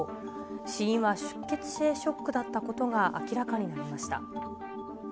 死因は出血性ショックだったことが明らかになりました。